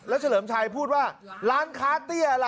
แล้วเฉลิมชัยพูดว่าร้านค้าเตี้ยอะไรอ๋อ